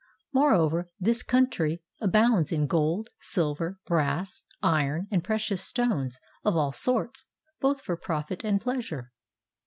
Moreover, this country abounds in gold, silver, brass, iron, and precious stones of all sorts, both for profit and pleasure.